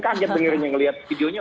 kaget dengarnya ngelihat videonya